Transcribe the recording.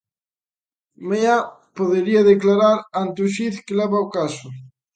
Mañá podería declarar ante o xuíz que leva o caso.